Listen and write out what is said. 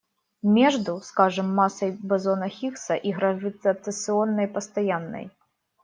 Между, скажем, массой бозона Хиггса и гравитационной постоянной.